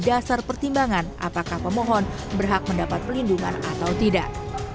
dasar pertimbangan apakah pemohon berhak mendapat pelindungan atau tidak